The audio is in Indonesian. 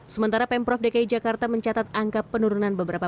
sementara pemprov dki jakarta mencatat angka penurunan beberapa